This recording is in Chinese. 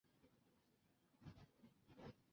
通过荧光原位杂交能够确认它们的存在。